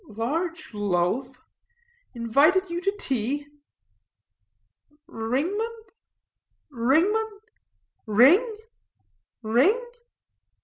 "Large loaf? Invited you to tea? Ringman? Ringman? Ring? Ring?"